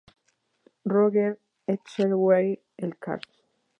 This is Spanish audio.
Roger Etchegaray, el Card.